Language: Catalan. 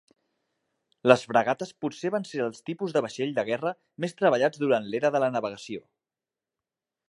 Les fragates potser van ser els tipus de vaixell de guerra més treballats durant l'Era de la Navegació.